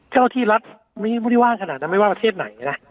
เจ้าที่รัฐไม่ได้ว่างขนาดนั้นไม่ว่าประเทศไหนนะ